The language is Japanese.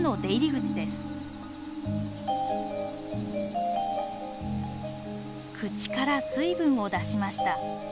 口から水分を出しました。